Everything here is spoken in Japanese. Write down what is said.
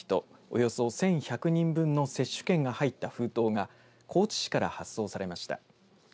およそ１１００人分の接種券が入った封筒が高知市から発送されました。